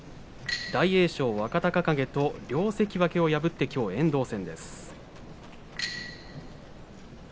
大栄翔、若隆景と両関脇を破ってきょうは遠藤戦です。